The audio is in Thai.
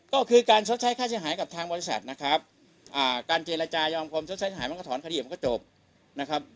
ก็คือการชดใช้ค่าเสียหายกับทางบริษัทนะครับการเจรจายอมความชดใช้ทหารมันก็ถอนคดีมันก็จบนะครับ